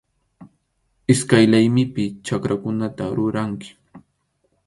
Iskay laymipi chakrakunata ruranki.